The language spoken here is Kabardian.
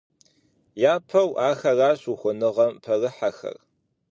Япэу ахэращ ухуэныгъэм пэрыхьэхэр.